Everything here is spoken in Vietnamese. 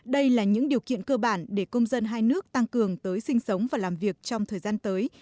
đây là những điều kiện cơ bản để công dân hai nước tăng cường tới sinh sống và làm việc trong thời gian tới